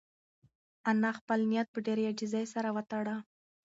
انا خپل نیت په ډېرې عاجزۍ سره وتاړه.